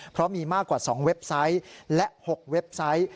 เพราะมีมากกว่า๒เว็บไซต์และ๖เว็บไซต์